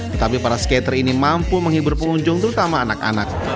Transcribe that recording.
tetapi para skater ini mampu menghibur pengunjung terutama anak anak